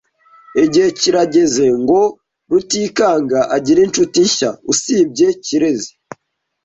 Igihe kirageze ngo Rutikanga agire inshuti nshya usibye Kirezi .